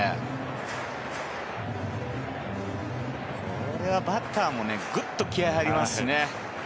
これはバッターもグッと気合が入りますね。